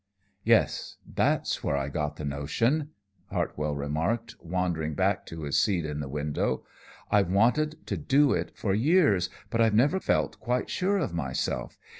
"Yes, that's where I got the notion," Hartwell remarked, wandering back to his seat in the window. "I've wanted to do it for years, but I've never felt quite sure of myself.